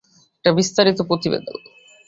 একটা বিস্তারিত প্রতিবেদন।